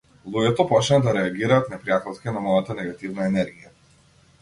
Луѓето почнаа да реагираат непријателски на мојата негативна енергија.